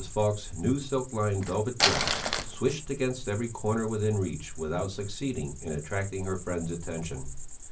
Falk's new silk lined velvet dress swished against every corner within reach without succeeding in attracting her friend's attention.